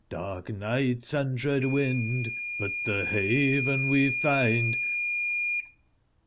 Dark night and dread wind, But tbc bavcn we find.